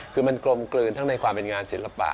คือมันกลมกลืนทั้งในความเป็นงานศิลปะ